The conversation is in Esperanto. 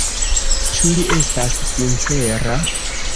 Ĉu li estas sincera?